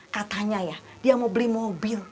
katanya ya dia mau beli mobil